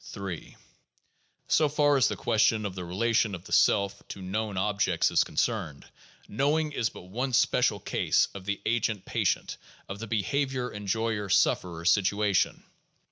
3. So far as the question of the relation of the self to known ob jects is concerned, knowing is but one special case of the agent pa tient, of the behaver enjoyer sufferer situation.